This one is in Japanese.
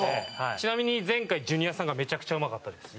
ちなみに前回ジュニアさんがめちゃくちゃうまかったです。